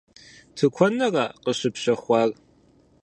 Тыкуэныра къыщыпщэхуар?